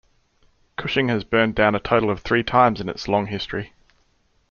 Cushing has burned down a total of three times in its long history.